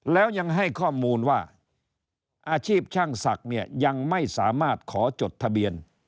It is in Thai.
แล้วยังให้ข้อมูลว่าอาชีพช่างศักดิ์เนี่ยยังไม่สามารถขอจดทะเบียน